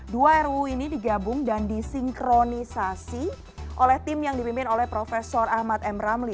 dua ruu ini digabung dan disinkronisasi oleh tim yang dipimpin oleh prof ahmad m ramli